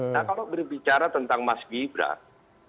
nah kalau berbicara tentang mas gibran